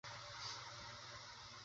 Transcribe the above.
বরাবর গোরাদের বাড়িতে গিয়া উপস্থিত হইল।